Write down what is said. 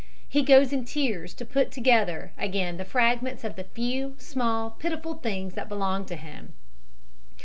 He goes in tears to put together again the fragments of the few, small, pitiful things that belonged to him.